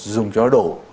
dùng cho nó đổ